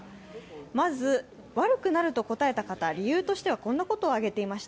まず悪くなると答えた方、理由としてはこんなことを挙げていました。